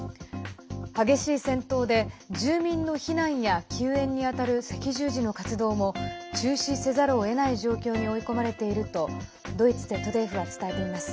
激しい戦闘で住民の避難や救援に当たる赤十字の活動も中止せざるをえない状況に追い込まれているとドイツＺＤＦは伝えています。